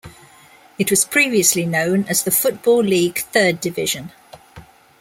It was previously known as the Football League Third Division.